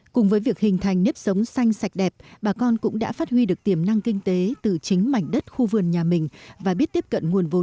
cùng với việc hình thành nếp sống xanh sạch đẹp bà con cũng đã phát huy được tiềm năng kinh tế